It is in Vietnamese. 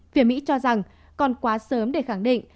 phía mỹ cho rằng còn quá sớm để khẳng định